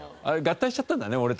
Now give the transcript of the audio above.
あれ合体しちゃったんだね